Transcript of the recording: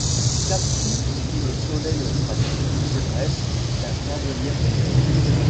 Captifs sous le soleil australien, ils rêvent d'un avenir meilleur.